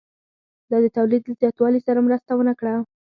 دا د تولید له زیاتوالي سره مرسته ونه کړه